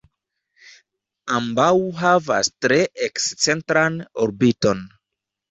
Ambaŭ havas tre ekscentran orbiton.